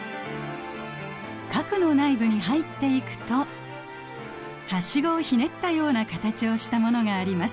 核の内部に入っていくとはしごをひねったような形をしたものがあります。